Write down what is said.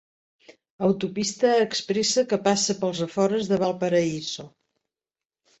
Autopista expressa que passa pels afores de Valparaíso.